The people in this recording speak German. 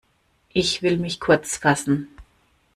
Ich will mich kurzfassen.